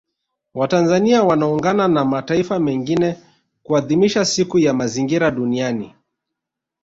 Watanzania wanaungana na mataifa mengine kuadhimisha Siku ya Mazingira Duniani